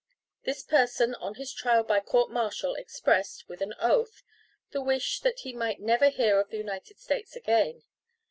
This person on his trial by court martial expressed, with an oath, the wish that he might never hear of the United States again.